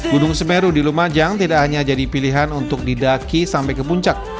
gunung semeru di lumajang tidak hanya jadi pilihan untuk didaki sampai ke puncak